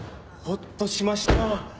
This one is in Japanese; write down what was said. ほっとしました！